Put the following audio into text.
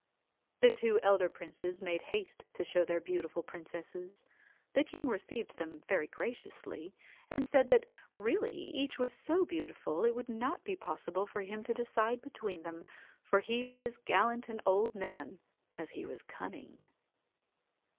The two elder princes made haste to show their beautiful princesses. The king received them very graciously, and said that really each was so beautiful it would not be possible for him to decide between them, for he was as gallant an old man as he was cunning.